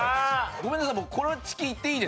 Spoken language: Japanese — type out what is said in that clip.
ごめんなさい